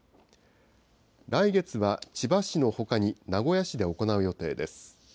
来月は千葉市のほかに名古屋市で行う予定です。